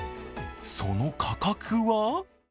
その価格は？